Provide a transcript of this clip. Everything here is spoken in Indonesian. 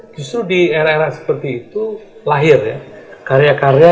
justru di era era seperti itu lahir ya karya karya